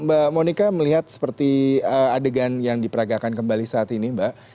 mbak monika melihat seperti adegan yang diperagakan kembali saat ini mbak